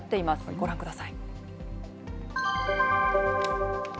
ご覧ください。